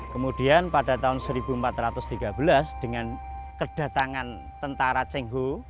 kemudian pada tahun seribu empat ratus tiga belas dengan kedatangan tentara cheng ho